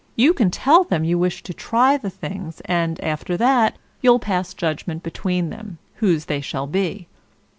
You can tell them you wish to try the things, and, after that, you'll pass judgment between them, whose they shall be."